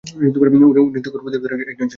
উনি তুখোড় প্রতিভাধর একজন শিল্পী।